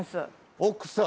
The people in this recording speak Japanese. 奥さん。